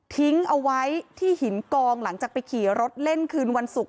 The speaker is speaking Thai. ทิ้งเอาไว้ที่หินกองหลังจากไปขี่รถเล่นคืนวันศุกร์